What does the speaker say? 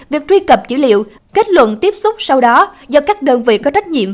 việc truy cập dữ liệu kết luận tiếp xúc sau đó do các đơn vị có trách nhiệm